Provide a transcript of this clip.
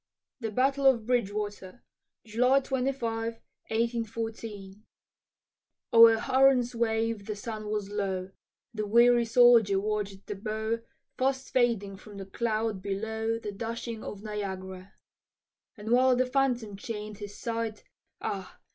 THE BATTLE OF BRIDGEWATER [July 25, 1814] O'er Huron's wave the sun was low, The weary soldier watch'd the bow Fast fading from the cloud below The dashing of Niagara. And while the phantom chain'd his sight, Ah!